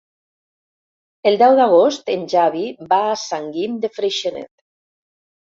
El deu d'agost en Xavi va a Sant Guim de Freixenet.